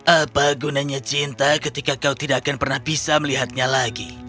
apa gunanya cinta ketika kau tidak akan pernah bisa melihatnya lagi